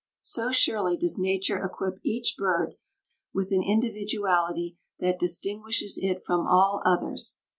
So surely does Nature equip each bird with an individuality that distinguishes it from all others!